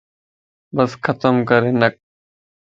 بس ختم ڪرھنڪ